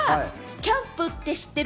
キャンプって知ってる？